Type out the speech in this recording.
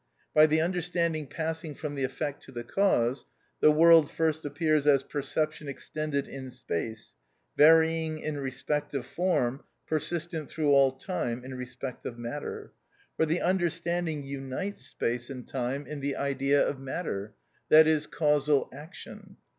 By the understanding passing from the effect to the cause, the world first appears as perception extended in space, varying in respect of form, persistent through all time in respect of matter; for the understanding unites space and time in the idea of matter, that is, causal action.